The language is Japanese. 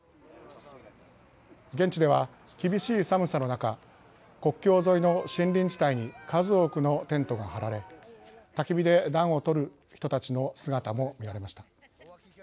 現地では、厳しい寒さの中国境沿いの森林地帯に数多くのテントが張られたき火で暖をとる人たちの姿も見られました。